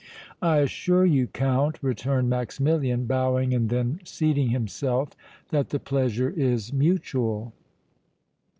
"I assure you, Count," returned Maximilian, bowing and then seating himself, "that the pleasure is mutual."